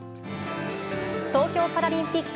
東京パラリンピック